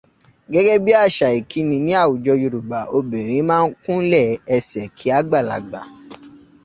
Gẹ́gẹ́ bí àṣà ìkíni ní àwùjọ Yorùbá, obìnrin máa ń kúnlẹ̀ ẹsẹ̀ kí àgbàlagbà